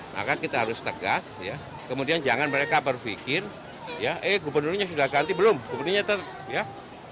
maka kita harus tegas ya kemudian jangan mereka berpikir ya eh gubernurnya sudah ganti belum gubernurnya tetap ya